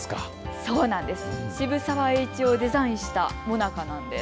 渋沢栄一をデザインしたもなかなんです。